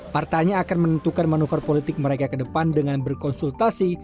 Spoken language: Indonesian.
partainya akan menentukan manuver politik mereka ke depan dengan berkonsultasi